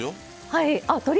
はい。